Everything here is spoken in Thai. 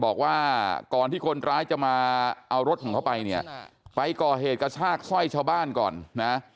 บอกว่าก่อนที่คนร้ายจะมาเอารถของเขาไปเนี่ยไปก่อเหตุกระชากสร้อยชาวบ้านก่อนนะ